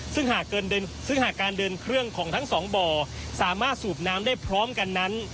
ซึ่งหากซึ่งหากการเดินเครื่องของทั้งสองบ่อสามารถสูบน้ำได้พร้อมกันนั้น